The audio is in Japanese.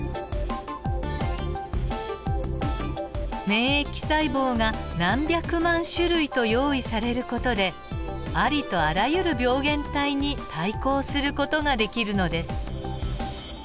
免疫細胞が何百万種類と用意される事でありとあらゆる病原体に対抗する事ができるのです。